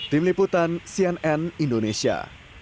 tim liputan cnn indonesia